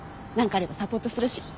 何かあればサポートするし。